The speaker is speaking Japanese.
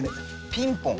ピンポン？